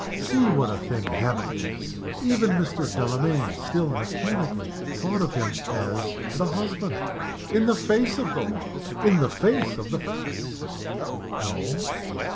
(See what a thing habit is! Even Mr. Delamayn still mechanically thought of him as the husband in the face of the law! in the face of the facts!) No.